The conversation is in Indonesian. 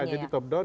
iya jadi top down